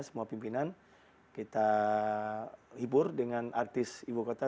semua pimpinan kita hibur dengan artis ibu kota